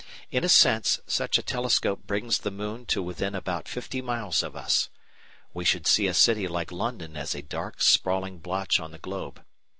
In a sense such a telescope brings the moon to within about fifty miles of us. We should see a city like London as a dark, sprawling blotch on the globe.